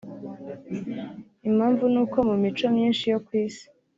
Impamvu ni uko mu mico myinshi yo ku isi